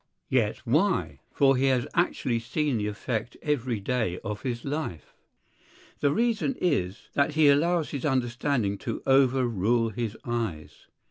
Yet why? For he has actually seen the effect every day of his life. The reason is that he allows his understanding to overrule his eyes.